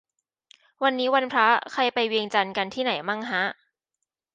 วันนี้วันพระ ใครไปเวียงจันทร์กันที่ไหนมั่งฮะ